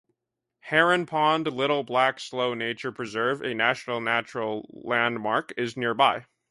Heron Pond - Little Black Slough Nature Preserve, a National Natural Landmark, is nearby.